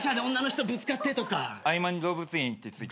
合間に動物園行って付いた。